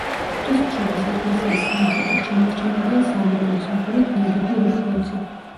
ღვთისმშობლის ეკლესიის სამხრეთით შემორჩენილია სამრეკლოს აგურით ნაგები ორი ბოძი.